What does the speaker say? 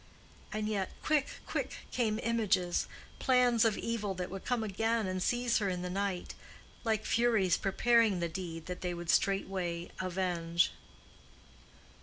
And yet quick, quick, came images, plans of evil that would come again and seize her in the night, like furies preparing the deed that they would straightway avenge.